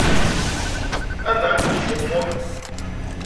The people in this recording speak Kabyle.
Anda ay tent-tzemḍem?